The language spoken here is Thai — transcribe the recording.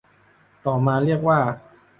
ต่อมาเรียกว่า